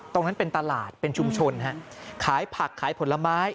ตรงนั้นเป็นตลาดเป็นชุมชนฮะขายผักขายผลไม้